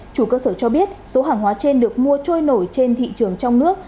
chủ cơ sở cho biết số hàng hóa trên được mua trôi nổi trên thị trường trong nước